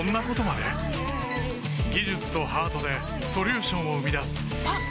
技術とハートでソリューションを生み出すあっ！